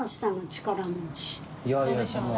そうでしょうね。